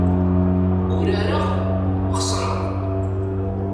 Urareɣ, xesreɣ.